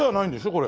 これ。